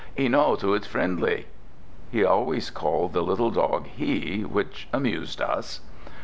"He knows who is friendly!" He always called the little dog "he," which amused us.